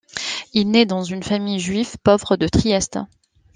Il naît dans une famille juive pauvre de Trieste.